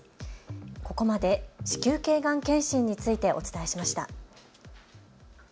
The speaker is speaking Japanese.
ここまで子宮頸がん検診についてお伝えしました。